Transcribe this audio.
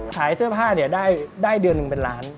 ขายเสื้อผ้าเนี่ยได้เดือนหนึ่งเป็นล้าน